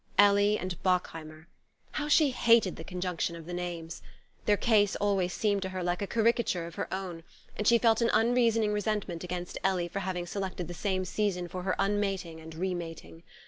Ellie and Bockheimer! How she hated the conjunction of the names! Their case always seemed to her like a caricature of her own, and she felt an unreasoning resentment against Ellie for having selected the same season for her unmating and re mating.